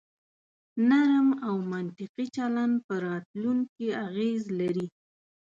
نرم او منطقي چلن په راتلونکي اغیز لري.